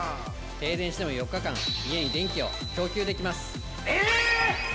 停電しても４日間家に電気を供給できます！